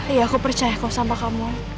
iya aku percaya kok sama kamu